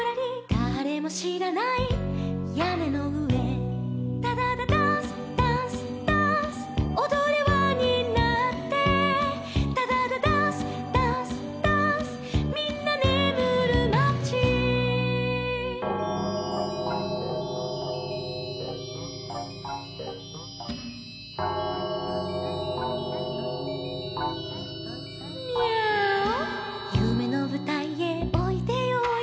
「だれもしらないやねのうえ」「ダダダダンスダンスダンス」「おどれわになって」「ダダダダンスダンスダンス」「みんなねむるまち」「ミャーオ」「ゆめのぶたいへおいでよおいで」